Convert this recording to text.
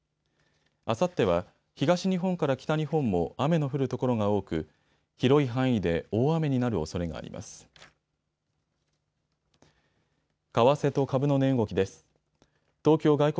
あさっては東日本から北日本も雨の降る所が多く広い範囲で大雨になるおそれがあります。